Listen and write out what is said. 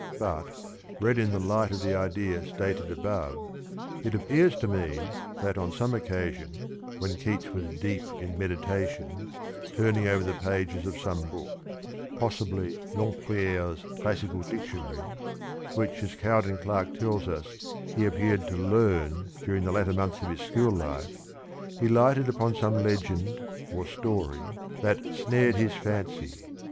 But, read in the light of the idea stated above, it appears to mean that on some occasion when Keats was deep in meditation, turning over the pages of some book, possibly Lempriere's Classical Dictionary, which as Cowden Clarke tells us he appeared to learn during the later months of his school life, he lighted upon some legend or story that " snared his fancy."